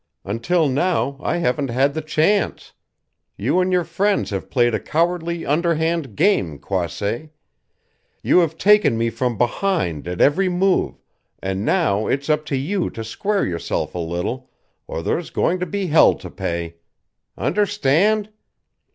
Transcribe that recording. Until now I haven't had the chance. You and your friends have played a cowardly underhand game, Croisset. You have taken me from behind at every move, and now it's up to you to square yourself a little or there's going to be hell to pay. Understand?